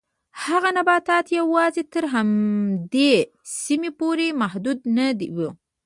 هغه نباتات یوازې تر همدې سیمې پورې محدود نه و.